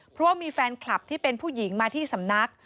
เพราะว่ามีแฟนคลับที่เป็นผู้หญิงมาที่สำนัก